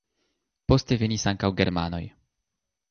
Poste venis ankaŭ germanoj.